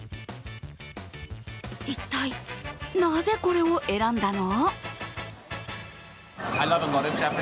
一体、なぜこれを選んだの？